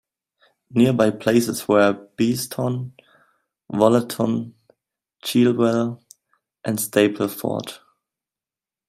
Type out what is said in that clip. Nearby places are Beeston, Wollaton, Chilwell and Stapleford.